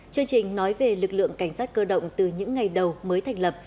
chương trình nói về lực lượng cảnh sát cơ động từ những ngày đầu mới thành lập